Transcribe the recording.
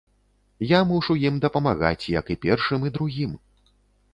Я мушу ім дапамагаць, як і першым і другім.